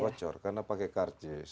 wacor karena pakai kartus